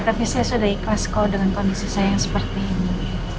tapi saya sudah ikhlas kok dengan kondisi saya yang seperti ini